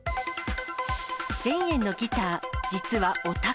１０００円のギター、実はお宝。